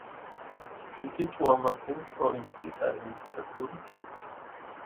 იგი ტუამასინის პროვინციის ადმინისტრაციული ცენტრია.